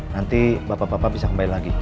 nanti bapak bapak bisa kembali lagi